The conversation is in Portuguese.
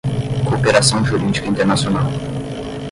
cooperação jurídica internacional